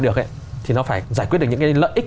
được thì nó phải giải quyết được những cái lợi ích